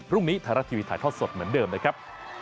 พรุ่งนี้ไทยรัฐทีวีถ่ายทอดสดเหมือนเดิมนะครับ